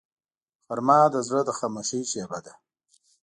غرمه د زړه د خاموشۍ شیبه ده